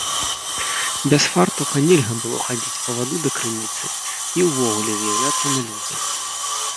Без фартуха нельга было хадзіць па ваду да крыніцы і ўвогуле з'яўляцца на людзях.